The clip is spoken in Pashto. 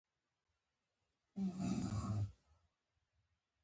دا د سیاسي علومو اساسي موضوع ده.